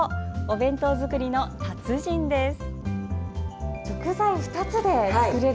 お弁当作りの達人です。